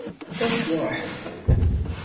Acu a ḥebbu?